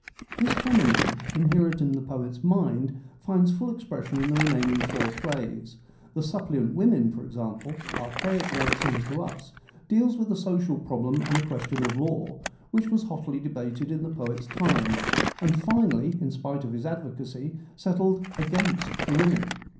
This feminism, inherent in the poet's mind, finds full expression in the remaining four plays. The Suppliant Women, for example, archaic though it seems to us, deals with a social problem and a ques tion of law, which was hotly debated in the poet's time, and finally, in spite of his advocacy, settled against the women.